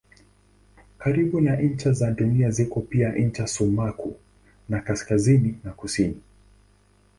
Karibu na ncha za Dunia ziko pia ncha sumaku za kaskazini na kusini.